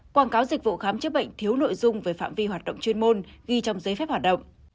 quảng cáo dịch vụ khám chữa bệnh thiếu nội dung về phạm vi hoạt động chuyên môn ghi trong giấy phép hoạt động